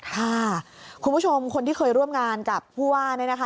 ค่ะคุณผู้ชมคนที่เคยร่วมงานกับผู้ว่าเนี่ยนะคะ